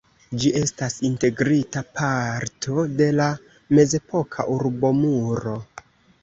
Ĝi estas integrita parto de la mezepoka urbomuro.